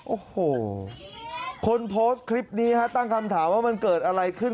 โอ้โหคนโพสต์คลิปนี้ตั้งคำถามว่ามันเกิดอะไรขึ้น